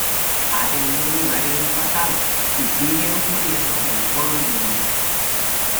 Ha tenido lugar en el pasado, y sigue ocurriendo en todo el mundo.